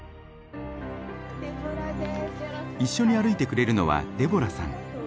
一緒に歩いてくれるのはデボラさん。